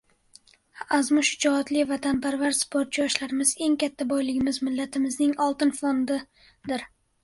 Azmu shijoatli, vatanparvar sportchi yoshlarimiz – eng katta boyligimiz, millatimizning “oltin fondi”dir